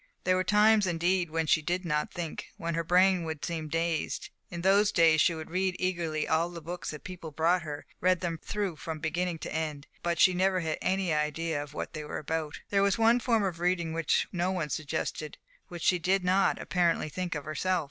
There were times, indeed, when she did not think, when her brain would seem dazed. In those days she would read eagerly all the books that people brought her; read them through from beginning to end, but she had never any idea of what they were about. There was one form of reading which no one suggested, which she did not, apparently, think of herself.